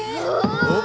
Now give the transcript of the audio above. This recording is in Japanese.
お！